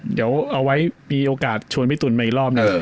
เดี๋ยวเอาไว้มีโอกาสชวนพี่ตุ๋นมาอีกรอบหนึ่ง